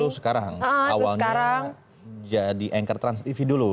sekarang awalnya jadi anchor transtv dulu